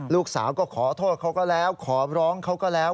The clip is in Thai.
ลูกสาวก็ขอโทษเขาก็แล้วขอร้องเขาก็แล้ว